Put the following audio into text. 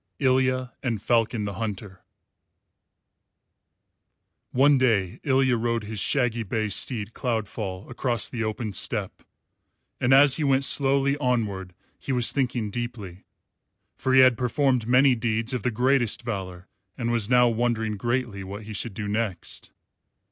ILYA AND FALCON THE HUNTER One day Ilya rode his shaggy bay steed Cloudfall across the open steppe; and as he went slowly onward he was thinking deeply, for he had performed many deeds of the greatest valour, and was now wondering greatly what he should do next.